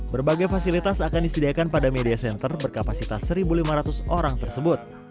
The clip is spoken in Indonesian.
berbagai fasilitas akan disediakan pada media center berkapasitas satu lima ratus orang tersebut